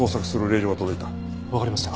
わかりました。